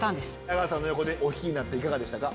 阿川さんの横でお弾きになっていかがでしたか？